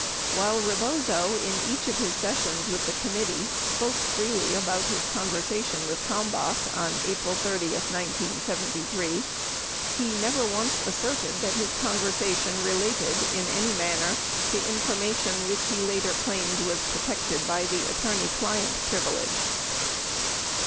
While Rebozo in each of his sessions with the committee spoke freely about his conversation with Kalmbach on April 30, 1973, he never once asserted that his conversation related in any manner to information which he later claimed was protected by the attorney client privilege.